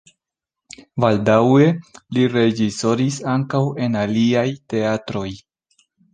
Baldaŭe li reĝisoris ankaŭ en aliaj teatroj.